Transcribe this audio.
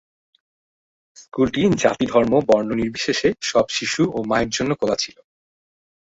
স্কুলটি জাতি ধর্ম বর্ণ নির্বিশেষে সব শিশু ও মায়ের জন্য খোলা ছিল।